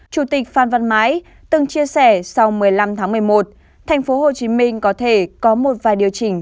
chủ tịch phan văn mãi từng chia sẻ sau một mươi năm tháng một mươi một tp hcm có thể có một vài điều chỉnh